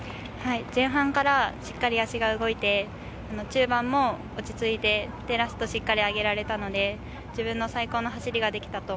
前半からしっかり足が動いて、中盤も落ち着いてラスト、しっかり上げられたので自分の最高の走